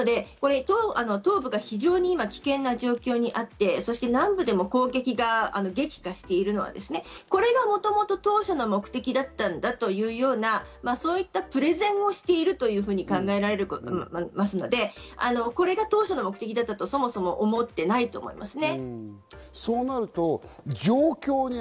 東部が危険な状況にあって、南部でも攻撃が激化しているのはこれが、もともと当初の目的だったんだというような、そういったプレゼンをしていると考えられると思いますので、それが当初の目的だとそもそも思ってないと思います。